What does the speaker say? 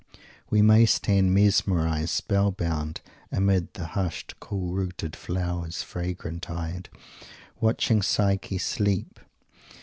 We may stand mesmerized, spell bound, amid "the hushed cool rooted flowers, fragrant eyed" watching Psyche sleep.